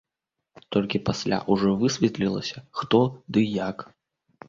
Толькі пасля ўжо высветлілася, хто ды як.